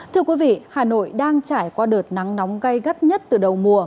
thưa quý vị hà nội đang trải qua đợt nắng nóng gây gắt nhất từ đầu mùa